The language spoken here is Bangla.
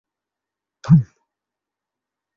ওটা ও নাকি?